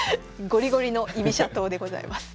ゴリゴリの居飛車党でございます。